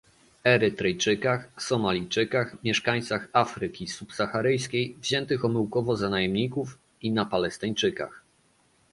Erytrejczykach, Somalijczykach, mieszkańcach Afryki subsaharyjskiej wziętych omyłkowo za najemników i na Palestyńczykach